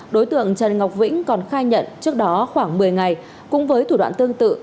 đối tượng trần ngọc vĩnh còn khai nhận trước đó khoảng một mươi ngày cũng với thủ đoạn tương tự